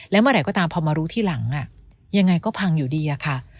แล้วเมื่อไหร่ก็ตามพอมารู้ทีหลังยังไงก็พังอยู่ดีอะค่ะ